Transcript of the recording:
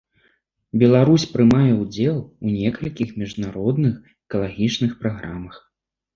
Беларусь прымае ўдзел ў некалькіх міжнародных экалагічных праграмах.